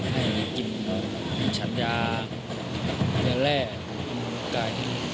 ให้มีกินชันยาเดี๋ยวแรกร่างกายที่นี่